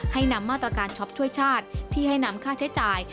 ให้นำมาตรการช็อปช่วยชาติที่ให้นำค่าใช้จ่าย